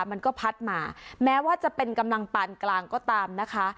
มันก็พัดมาแม้ว่าจะเป็นกำลังปานกลางก็ตามนะคะ